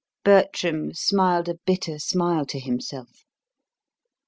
Bertram smiled a bitter smile to himself.